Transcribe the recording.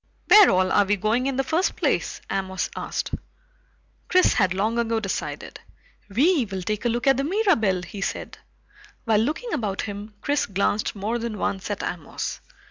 "Where all are we going in the first place?" Amos asked. Chris had long ago decided. "We'll take a look at the Mirabelle," he said. While looking about him, Chris glanced more than once at Amos.